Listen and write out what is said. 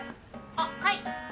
あっはい。